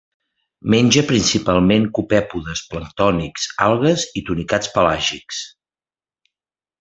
Menja principalment copèpodes planctònics, algues i tunicats pelàgics.